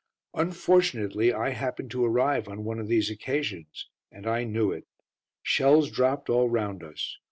Unfortunately I happened to arrive on one of these occasions, and I knew it. Shells dropped all round us.